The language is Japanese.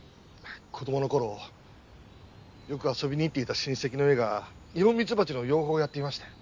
子供のころよく遊びに行っていた親戚の家がニホンミツバチの養蜂をやっていまして。